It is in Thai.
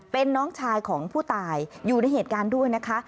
เป็นน้องชายของผู้ตายอยู่ในเหตุการณ์ด้วยนะคะ